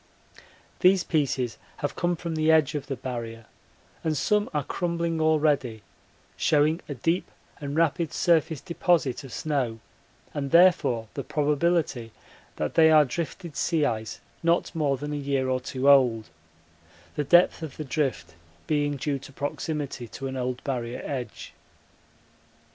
These pieces have come from the edge of the Barrier and some are crumbling already, showing a deep and rapid surface deposit of snow and therefore the probability that they are drifted sea ice not more than a year or two old, the depth of the drift being due to proximity to an old Barrier edge.